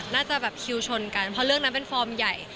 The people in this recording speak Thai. น่าจะแบบคิวชนกันเพราะเรื่องนั้นเป็นฟอร์มใหญ่